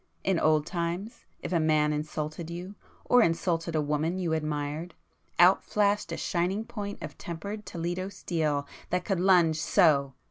In old times, if a man insulted you, or insulted a woman you admired, out flashed a shining point of tempered Toledo steel that could lunge—so!"